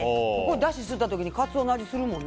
だし吸うた時にカツオの味するもんね。